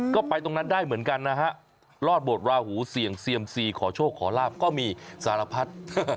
ก็ไปตรงนั้นได้เหมือนกันนะฮะรอดบทราหูเสี่ยงเซียมซีขอโชคขอลาบก็มีสารพัด